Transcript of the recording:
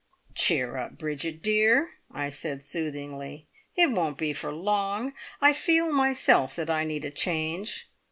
"Cheer up, Bridget dear," I said soothingly. "It won't be for long. I feel myself that I need a change.